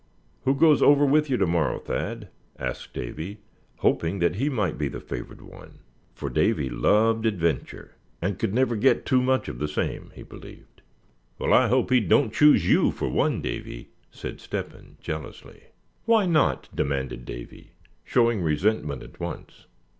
"Who goes over with you to morrow, Thad?" asked Davy, hoping that he might be the favored one; for Davy loved adventure, and could never get too much of the same, he believed. "Well, I hope he don't choose you, for one, Davy," said Step hen, jealously. "Why not?" demanded Davy, showing resentment at once.